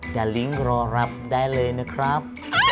ดาลิ้งรอรับได้เลยนะครับ